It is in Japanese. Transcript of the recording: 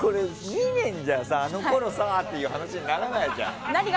２年じゃあのころさっていう話にならないじゃん。